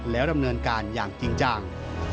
แล้วดำเนินการอย่างจริงจัง